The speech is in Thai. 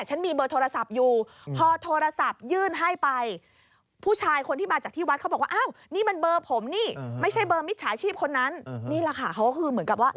ไม่ใช่เบอร์มิจฉาชีพคนนั้นนี่แหละค่ะเขาก็คือเหมือนกับว่า